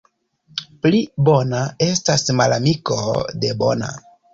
Pli bona — estas malamiko de bona.